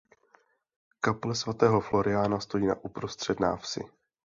Kaple svatého Floriána stojí na uprostřed návsi.